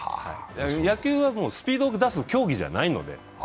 野球はスピードを出す競技ではないので。